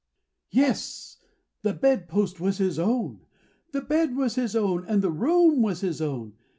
Yes! and the bedpost was his own. The bed was his own, and the room was his own.